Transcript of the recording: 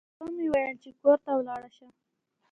درته و مې ويل چې کور ته ولاړه شه.